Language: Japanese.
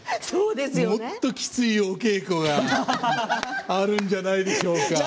もっときついお稽古があるんじゃないでしょうか？